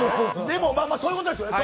でもまあ、そういうことです。